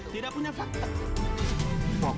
tidak punya dampak tidak punya fakta